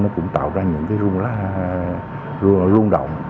nó cũng tạo ra những cái rung động